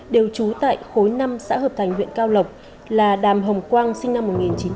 đều trú tại khối năm xã hợp thành huyện cao lộc là đàm hồng quang sinh năm một nghìn chín trăm tám mươi